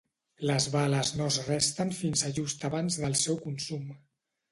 Les baies no es renten fins a just abans del seu consum.